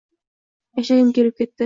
Yashagim kelib ketdi